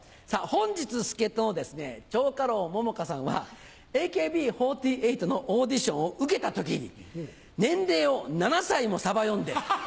本日助っ人の蝶花楼桃花さんはＡＫＢ４８のオーディションを受けた時に年齢を７歳もさば読んで。